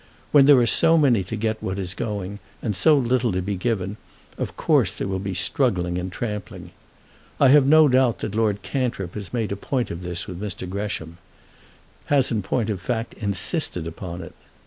When there are so many to get what is going, and so little to be given, of course there will be struggling and trampling. I have no doubt that Lord Cantrip has made a point of this with Mr. Gresham; has in point of fact insisted upon it.